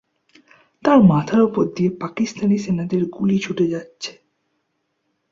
তার মাথার ওপর দিয়ে পাকিস্তানি সেনাদের গুলি ছুটে যাচ্ছে।